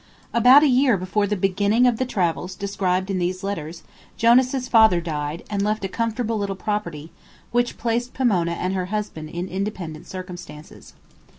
About a year before the beginning of the travels described in these letters Jonas's father died and left a comfortable little property, which placed Pomona and her husband in independent circumstances.